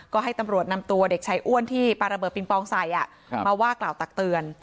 ก็ให้ตำรวจนำตัวเด็กชายอ้วนที่ปลาระเบิดปิงปองใส่มาว่ากล่าวตักเตือน